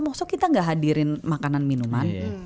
maksudnya kita gak hadirin makanan minuman